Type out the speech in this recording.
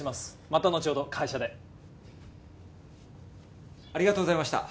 またのちほど会社でありがとうございました